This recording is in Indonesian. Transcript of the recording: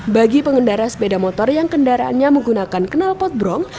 bagi pengendara sepeda motor yang kendaraannya menggunakan kenal potbrong